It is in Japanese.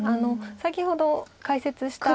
先ほど解説した。